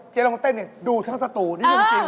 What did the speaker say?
เจ๊ลองแต้นเองดูทั้งสัตว์นี้จริง